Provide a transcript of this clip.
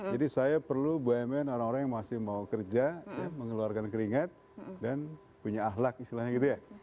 jadi saya perlu bmn orang orang yang masih mau kerja mengeluarkan keringat dan punya ahlak istilahnya gitu ya